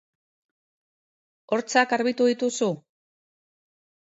Hortzak garbitu dituzu?